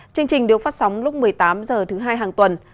chương trình được phát sóng lúc một mươi tám h thứ hai hàng tuần